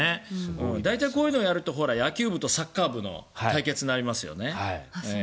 大体、こういうのをやると野球部とサッカー部の対決になりますよね。